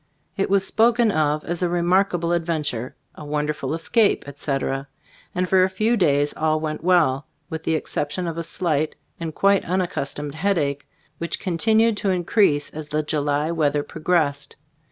It was spoken of as a "remarkable adven ture/' "a wonderful escape," etc., and for a few days all went well, with the exception of a slight and quite unac So Xtbc Stoc? of A« GM&booO customed headache, which continued to increase as the July weather pro gressed.